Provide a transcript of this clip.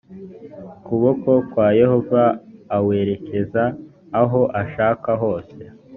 kuboko kwa yehova awerekeza aho ashaka hose